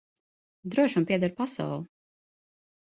Drošam pieder pasaule.